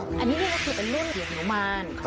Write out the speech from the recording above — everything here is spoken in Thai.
อันนี้นี่ก็คือเป็นเรื่องของฮนุมาน